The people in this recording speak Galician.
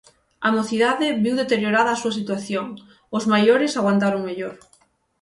A mocidade viu deteriorada a súa situación, os maiores aguantaron mellor.